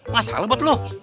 masalah banget loh